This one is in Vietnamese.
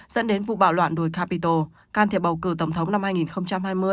dẫn đến vụ bạo loạn đuổi capitol can thiệp bầu cử tổng thống năm hai nghìn hai mươi